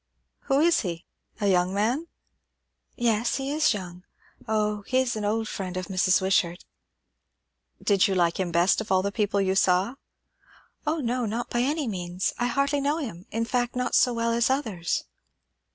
"Who is he? A young man?" "Yes, he is young. O, he is an old friend of Mrs. Wishart." "Did you like him best of all the people you saw?" "O no, not by any means. I hardly know him, in fact; not so well as others."